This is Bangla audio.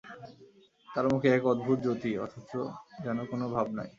তাঁর মুখে এক অদ্ভুত জ্যোতিঃ, অথচ যেন কোন ভাব নাই।